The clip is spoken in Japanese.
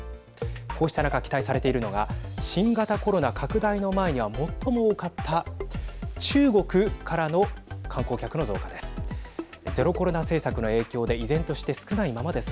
こうした中、期待されているのが新型コロナ拡大の前には最も多かった中国からの観光客の増加です。